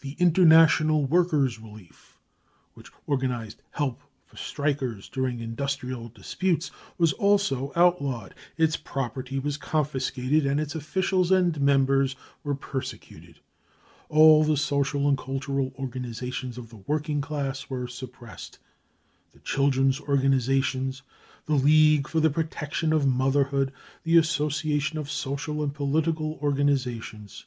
DESTRUCTION OF WORKERS 5 ORGANISATIONS 1 47 The International Workers 5 Relief, which organised help for strikers during industrial disputes, was also outlawed ; its property was confiscated and its officials and members were persecuted. All the social and cultural organisations of the working class were suppressed : the children's organisations, the League for the Protection of Motherhood, the Association of Social and Political Organisations.